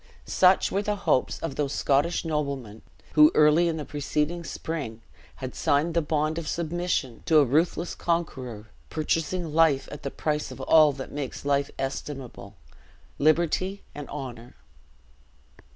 Such were the hopes of those Scottish noblemen who, early in the preceding spring, had signed the bond of submission to a ruthless conqueror, purchasing life at the price of all that makes life estimable liberty and honor.